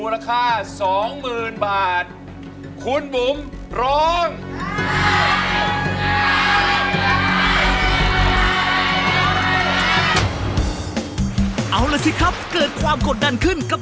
เลือกแล้วค่ะหมายเลข๕ค่ะ